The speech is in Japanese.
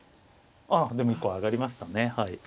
あでも１個上がりましたね。